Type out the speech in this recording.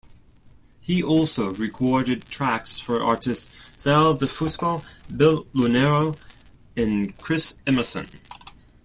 He also recorded tracks for artists Sal DiFusco, Bill Lonero and Chris Emerson.